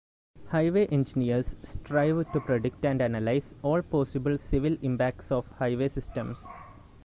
Highway engineers strive to predict and analyze all possible civil impacts of highway systems.